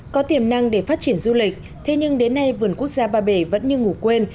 có tiềm năng để phát triển du lịch thế nhưng đến nay vườn quốc gia ba bể vẫn như ngủ quên